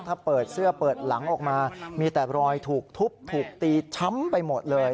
ถ้าเปิดเสื้อเปิดหลังออกมามีแต่รอยถูกทุบถูกตีช้ำไปหมดเลย